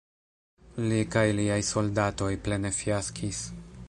Li kaj liaj soldatoj plene fiaskis.